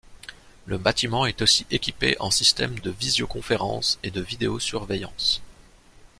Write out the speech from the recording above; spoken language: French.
Le bâtiment est aussi équipé en système de visioconférence et de vidéosurveillance.